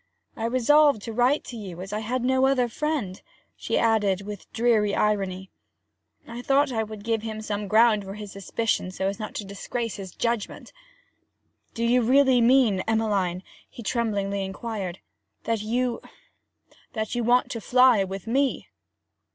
I resolved to write to you, as I had no other friend.' She added, with dreary irony, 'I thought I would give him some ground for his suspicion, so as not to disgrace his judgment.' 'Do you really mean, Emmeline,' he tremblingly inquired, 'that you that you want to fly with me?'